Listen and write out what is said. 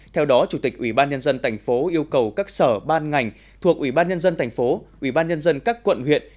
theo đó chủ tịch ubnd tp yêu cầu các sở ban ngành thuộc ubnd tp ubnd các quận huyện